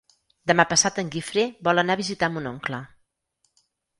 Demà passat en Guifré vol anar a visitar mon oncle.